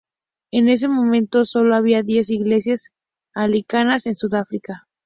En ese momento sólo había diez iglesias anglicanas en Sudáfrica.